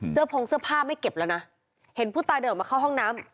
พงเสื้อผ้าไม่เก็บแล้วนะเห็นผู้ตายเดินออกมาเข้าห้องน้ำ